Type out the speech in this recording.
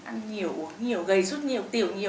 ăn nhiều uống nhiều gầy suốt nhiều tiểu nhiều